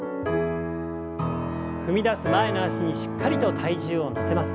踏み出す前の脚にしっかりと体重を乗せます。